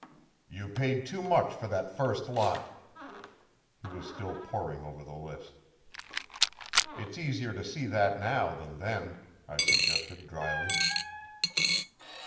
"You paid too much for that first lot." He was still poring over the list. "It's easier to see that now than then," I suggested dryly.